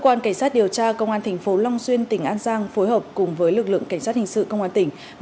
cơ quan cảnh sát điều tra công an thành phố long xuyên tỉnh an giang phối hợp cùng với lực lượng cảnh sát hình sự công an tỉnh